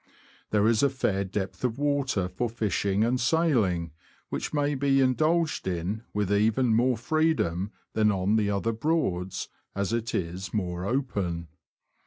There is a fair depth of water for fishing and sailing, which may be indulged in with even more freedom than on the other Broads, as it is more open.